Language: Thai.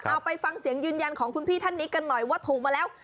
เอาไปฟังเสียงยืนยันของคุณพี่ท่านนี้กันหน่อยว่าถูกมาแล้ว